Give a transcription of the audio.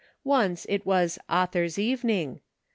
Once it was * authors' evening.'